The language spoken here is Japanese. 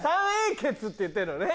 って言ってんのね？